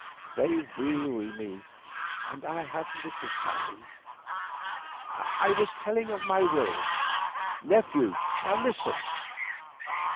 They weary me and I have little time. I was telling of my will. Nephew, listen.